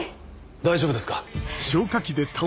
大丈夫ですか？